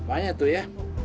apaan itu ya